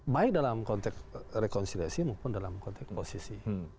baik dalam konteks rekonsiliasi maupun dalam konteks posisi